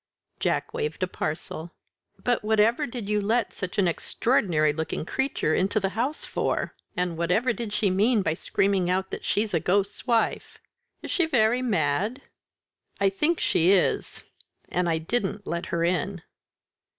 Jack waved a parcel. "But whatever did you let such an extraordinary looking creature into the house for? and whatever did she mean by screaming out that she's a ghost's wife? Is she very mad?" "I think she is and I didn't let her in."